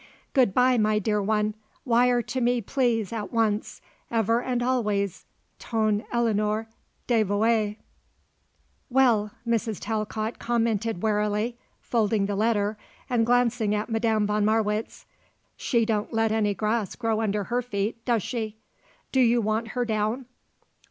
"Good bye, my dear one. Wire to me please, at once. Ever and always ton Eleanor devouée." "Well," Mrs. Talcott commented warily, folding the letter and glancing at Madame von Marwitz; "she don't let any grass grow under her feet, does she? Do you want her down?"